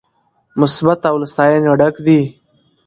مثبت او له ستاينې ډک دي